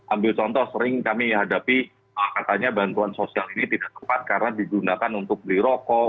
ambil contoh sering kami hadapi katanya bantuan sosial ini tidak tepat karena digunakan untuk beli rokok